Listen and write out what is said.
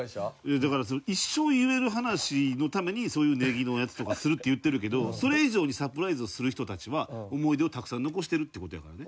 だからその一生言える話のためにそういうネギのやつとかするって言ってるけどそれ以上にサプライズをする人たちは思い出をたくさん残してるって事やからね。